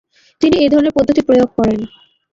তিনি এ ধরনের পদ্ধতি প্রয়োগ করেন।